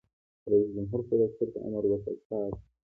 رئیس جمهور خپلو عسکرو ته امر وکړ؛ پاک!